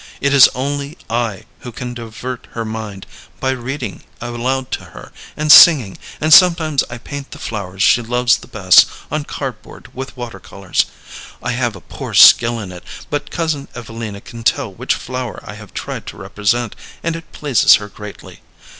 It is only I who can divert her mind, by reading aloud to her and singing; and sometimes I paint the flowers she loves the best on card board with water colors. I have a poor skill in it, but Cousin Evelina can tell which flower I have tried to represent, and it pleases her greatly.